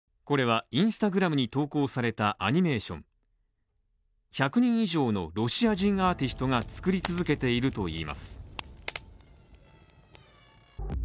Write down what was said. これは、Ｉｎｓｔａｇｒａｍに投稿されたアニメーション１００人以上のロシア人アーティストが作り続けているといいます。